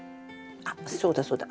あっそうだそうだ。